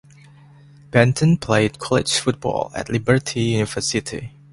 Benton played college football at Liberty University.